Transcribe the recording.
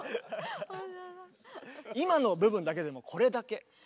今の部分だけでもこれだけ。